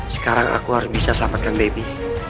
sekarang aku harus bisa selamatkan baby